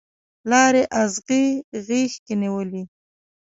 لارې اغزي غیږ کې نیولي